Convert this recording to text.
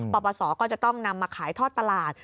ปปศก็จะต้องนำมาขายทอดตลาด